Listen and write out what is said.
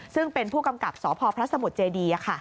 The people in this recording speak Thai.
ซึ่งเป็นผู้กำกับสพพระสมุทรเจดี